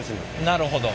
なるほど。